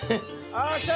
あっ来た！